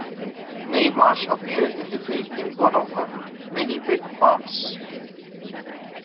Mae Marsh appeared in the film in one of her many bit parts.